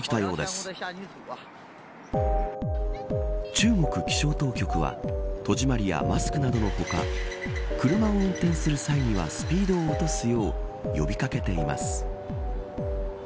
中国気象当局は戸締りやマスクなどの他車を運転する際にはスピードを落とすよう呼び掛けています。